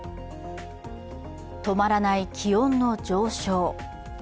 止まらない気温の上昇。